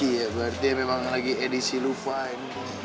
iya berarti memang lagi edisi lupain